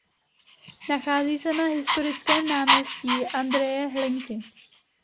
Nachází se na historickém náměstí Andreje Hlinky.